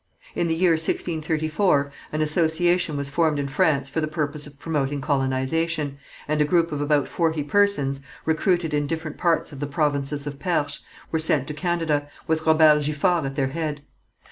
In the year 1634 an association was formed in France for the purpose of promoting colonization, and a group of about forty persons, recruited in different parts of the province of Perche, were sent to Canada, with Robert Giffard at their head.